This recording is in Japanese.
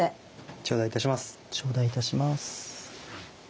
頂戴いたします。